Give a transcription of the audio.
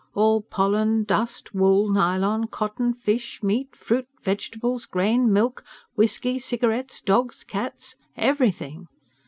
All pollen, dust, wool, nylon, cotton, fish, meat, fruit, vegetables, grain, milk, whisky, cigarettes, dogs, cats everything!